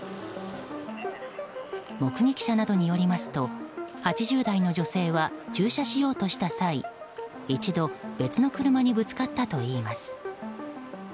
目撃者などによりますと８０代の女性は駐車しようとした際一度、別の車にぶつかったといいます。